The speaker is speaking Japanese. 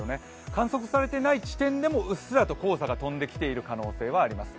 観測されてない地点でもうっすらと黄砂が飛んできている可能性があります。